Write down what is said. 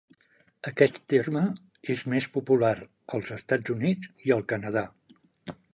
Aquest terme és més popular als Estats Units i al Canadà.